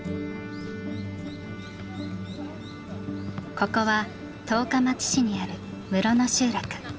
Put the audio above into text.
ここは十日町市にある室野集落。